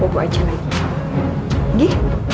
gue buat aja lagi